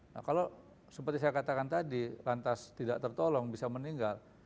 nah kalau seperti saya katakan tadi lantas tidak tertolong bisa meninggal